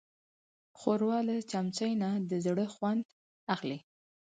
ښوروا له چمچۍ نه د زړه خوند اخلي.